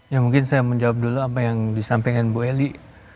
ya mungkin saya menjawab dulu apa yang disampaikan bu eli